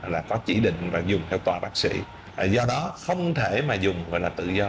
là có chỉ định là dùng theo tòa bác sĩ do đó không thể mà dùng gọi là tự do